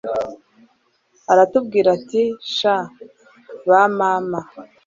aratubwira ati sha ba mama